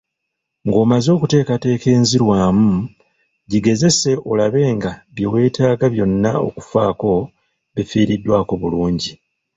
Ng’omaze okuteekateeka enzirwamu, gigezese olabe nga bye weetaaga byonna okufaako bifiiriddwako bulungi.